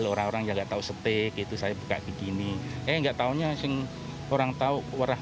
kecil orang orang jaga tahu setik itu saya buka begini enggak taunya asing orang tahu warah